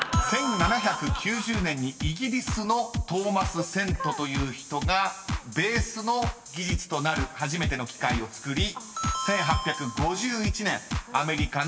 ［１７９０年にイギリスのトーマス・セントという人がベースの技術となる初めての機械を作り］